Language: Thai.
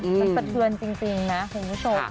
ยังประเทินจริงนะคุณผู้ชม